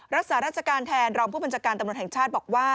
รักษาราชการแทนรองผู้บัญชาการตำรวจแห่งชาติบอกว่า